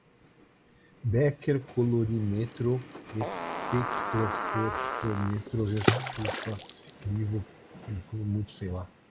béquer, colorímetro, espectrofotômetros, estufa, crivo, perfurada, multi poroso, kitasato